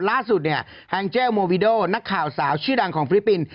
ล่าสุดเนี่ยแฮงเจลโมวิโดนักข่าวสาวชื่อดังของฟิลิปปินส์